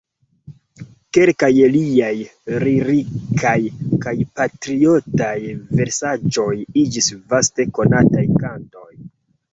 Kelkaj liaj lirikaj kaj patriotaj versaĵoj iĝis vaste konataj kantoj.